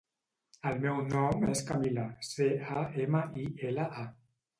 El meu nom és Camila: ce, a, ema, i, ela, a.